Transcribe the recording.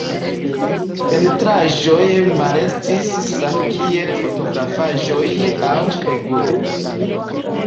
Pentraĵoj malestis same kiel fotografaĵoj aŭ spegulo.